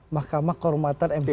mahkamah kehormatan mk